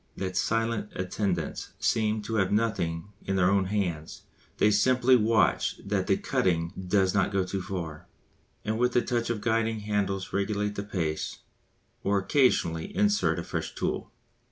The silent attendants seem to have nothing in their own hands, they simply watch that the cutting does not go too far, and with a touch of the guiding handles regulate the pace or occasionally insert a fresh tool.